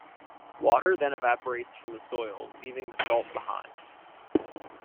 Water then evaporates from the soil leaving the salt behind.